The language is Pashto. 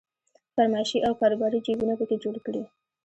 فرمایشي او کاروباري جيبونه په کې جوړ کړي.